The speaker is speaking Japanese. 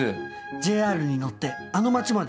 『ＪＲにのってあの町まで行こう』。